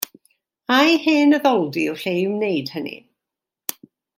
Ai hen addoldy yw'r lle i wneud hynny?